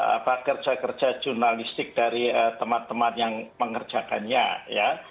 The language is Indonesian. apa kerja kerja jurnalistik dari teman teman yang mengerjakannya ya